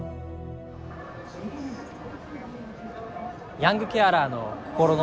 ヤングケアラーの心の叫び。